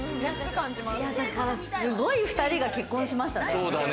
すごい２人が結婚しましたね。